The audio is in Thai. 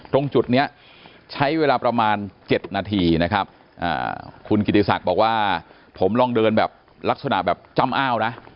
ตรงจุดนี้ใช้เวลาประมาณ๗นาทีนะครับคุณกิติศักดิ์บอกว่าผมลองเดินแบบลักษณะแบบจ้ำอ้าวนะ